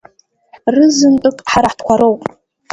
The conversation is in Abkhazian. Рызынтәык ҳара ҳтәқәа роуп…